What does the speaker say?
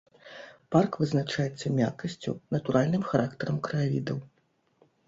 Парк вызначаецца мяккасцю, натуральным характарам краявідаў.